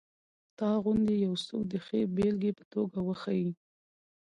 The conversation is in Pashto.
تا غوندې یو څوک د ښې بېلګې په توګه وښیي.